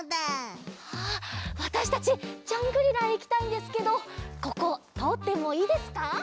わたしたちジャングリラへいきたいんですけどこことおってもいいですか？